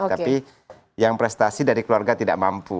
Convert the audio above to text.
tapi yang prestasi dari keluarga tidak mampu